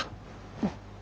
うん。